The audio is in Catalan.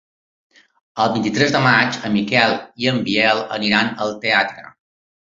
El vint-i-tres de maig en Miquel i en Biel aniran al teatre.